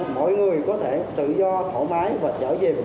mọi người có thể tự do thỏa mái và trở về cuộc sống bình thường